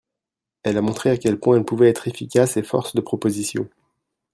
Elle a montré à quel point elle pouvait être efficace et force de proposition.